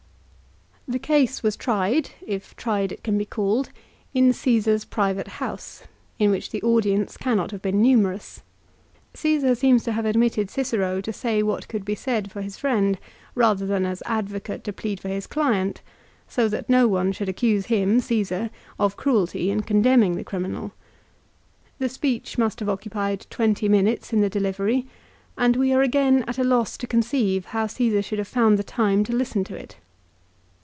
The case was tried, if tried it can be called, in Caesar's private house, in which the audience cannot have been numerous. Caesar seems to have admitted Cicero to say what could be said for his friend, rather than as an advocate to plead for his client, so that no one should accuse him, Caesar, of cruelty in condemning the criminal. The speech must have occupied twenty minutes in the delivery, and we are again at a loss to conceive how Caesar should have found the MARCELLUS, LIGARIUS, AND DEIOTARUS. 197 time to listen to it.